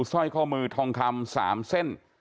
สร้อยข้อมือทองคำ๓เส้น